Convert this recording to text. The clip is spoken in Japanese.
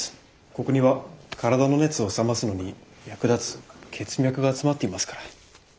ここには体の熱を冷ますのに役立つ血脈が集まっていますから。